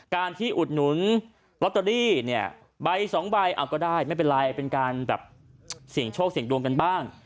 การที่อุดหนุนลอตเตอรี่เนี่ยใบสองใบเอาก็ได้ไม่เป็นไรเป็นการแบบเสี่ยงโชคเสี่ยงดวงกันบ้าง